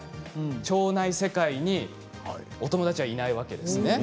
腸内世界にお友達はいないわけですね。